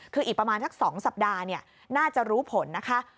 คืออีกประมาณสัก๒สัปดาห์น่าจะรู้ผลนะคะ